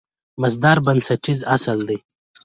مصدر بنسټیز اصل دئ.